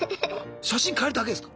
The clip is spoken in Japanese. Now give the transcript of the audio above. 写真替えるだけですか？